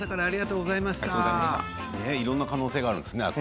いろんな可能性があるんですね。